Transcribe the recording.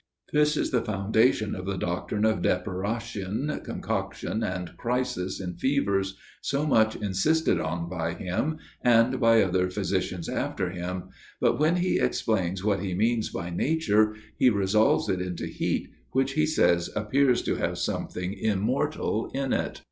This is the foundation of the doctrine of depuration, concoction, and crisis in fevers, so much insisted on by him, and by other physicians after him; but when he explains what he means by nature, he resolves it into heat, which he says appears to have something immortal in it.